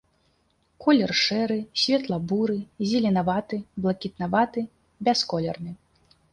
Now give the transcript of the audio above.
Колер шэры, светла-буры, зеленаваты, блакітнаваты, бясколерны.